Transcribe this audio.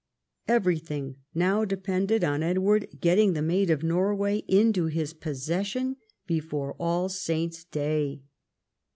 Everything now depended on Edward getting the Maid of Norway into his possession before All Saints' Day.